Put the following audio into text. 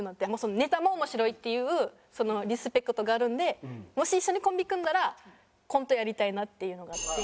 ネタも面白いっていうリスペクトがあるのでもし一緒にコンビ組んだらコントやりたいなっていうのがあって。